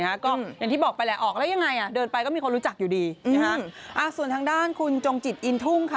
ก็อย่างที่บอกไปแหละออกแล้วยังไงอ่ะเดินไปก็มีคนรู้จักอยู่ดีนะฮะอ่าส่วนทางด้านคุณจงจิตอินทุ่งค่ะ